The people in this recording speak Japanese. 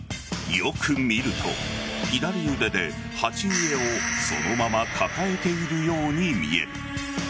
よく見ると左腕で鉢植えをそのまま抱えているように見える。